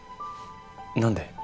何で？